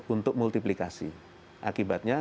untuk multiplikasi akibatnya